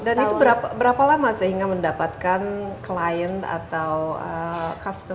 dan itu berapa lama sehingga mendapatkan client atau customer